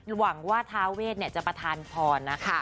หวังว่าทาเวทจะประทานพรนะคะ